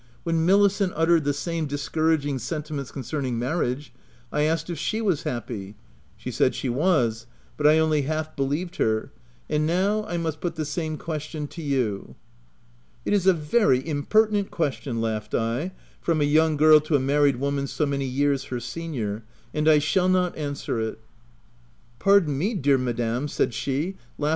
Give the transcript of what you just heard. " When Milicent uttered the same discouraging sentiments concerning marriage, I asked if she was happy : she said she was ; but I only half believed her ; and now I must put the same question to you." u It is a very impertinent question," laughed I, Ci from a young girl to a married woman so many years her senior — and I shall not answer it/" " Pardon me, dear madam" said she, laugh OP WIL.DFELL HALL.